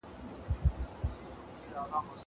زه به اوږده موده درسونه اورېدلي وم.